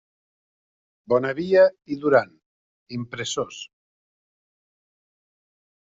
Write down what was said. Bonavia i Duran, impressors.